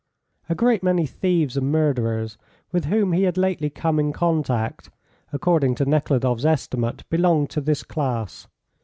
A great many thieves and murderers with whom he had lately come in contact, according to Nekhludoff's estimate, belonged to this class.